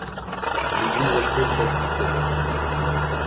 L'église actuelle date du siècle.